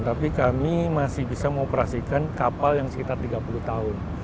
tapi kami masih bisa mengoperasikan kapal yang sekitar tiga puluh tahun